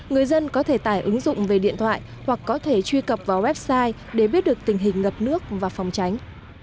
người dân có thể tải ứng dụng về điện thoại hoặc có thể truy cập vào website để biết được tình hình ngập nước và phòng tránh